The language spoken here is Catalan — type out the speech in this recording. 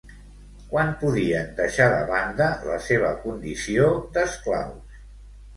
Quan podien deixar de banda la seva condició d'esclaus?